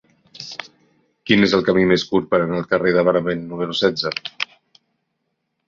Quin és el camí més curt per anar al carrer de Benevent número setze?